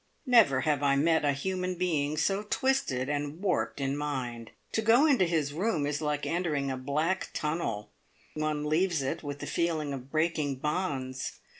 Never have I met a human being so twisted and warped in mind. To go into his room is like entering a black tunnel one leaves it with the feeling of breaking bonds.